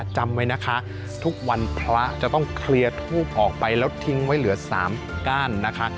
จำไว้นะคะทุกวันพระจะต้องเคลียร์ทูบออกไปแล้วทิ้งไว้เหลือ๓ก้านนะคะ